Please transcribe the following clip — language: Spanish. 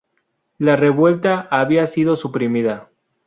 La revuelta había sido suprimida.